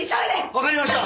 わかりました！